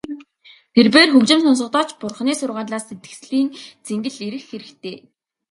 Тэрбээр хөгжим сонсохдоо ч Бурханы сургаалаас сэтгэлийн цэнгэл эрэх хэрэгтэй.